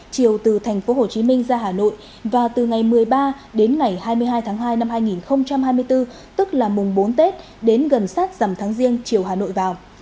chiều từ tp hcm ra hà nội và từ ngày một mươi ba đến ngày hai mươi hai tháng hai năm hai nghìn hai mươi bốn tức là mùng bốn tết đến gần sát giảm tháng riêng chiều hà nội vào